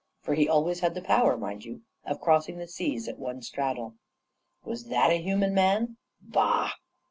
For he always had the power, mind you, of crossing the seas at one straddle. "Was that a human man? Bah!